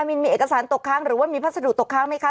มีเอกสารตกค้างหรือว่ามีพัสดุตกค้างไหมคะ